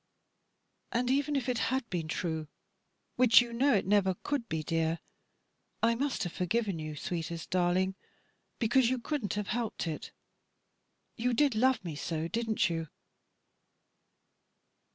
"And even if it had been true, which you know it never could be, dear, I must have forgiven you, sweetest darling, because you couldn't have helped it, you did love me so, didn't you?"